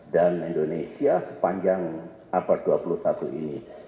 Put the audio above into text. dan indonesia sepanjang abad dua puluh satu ini